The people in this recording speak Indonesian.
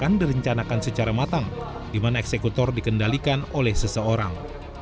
akan direncanakan secara matang di mana eksekutor dikendalikan oleh seseorang